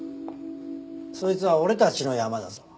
そいつは俺たちのヤマだぞ。